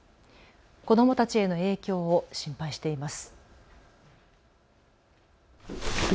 子どもたちへの影響を心配しています。